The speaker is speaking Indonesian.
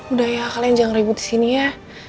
udah ya kalian jangan ribut disini ya